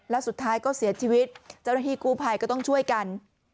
แล้วสุดท้ายก็เสียชีวิตเจ้าหน้าที่กู้ภัยก็ต้องช่วยกัน